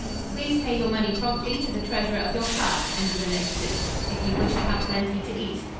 "Please pay your money promptly to the treasurer of your class," ended the notices, "if you wish to have plenty to eat.